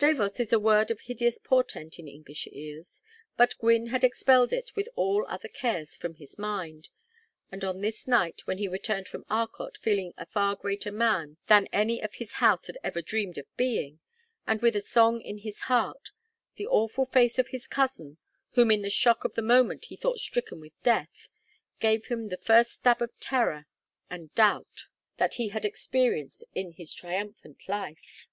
Davos is a word of hideous portent in English ears, but Gwynne had expelled it with all other cares from his mind, and on this night when he returned from Arcot feeling a far greater man than any of his house had ever dreamed of being, and with a song in his heart, the awful face of his cousin, whom in the shock of the moment he thought stricken with death, gave him the first stab of terror and doubt that he had experienced in his triumphant life.